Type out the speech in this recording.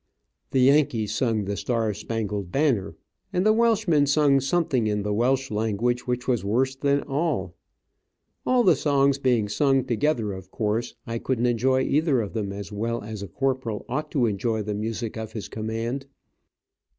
The Yankees sung the "Star Spangled Banner," and the Welchman sung something in the Welch language which was worse than all. All the songs being sung together, of course I couldn't enjoy either of them as well as a Corporal ought to enjoy the music of his command.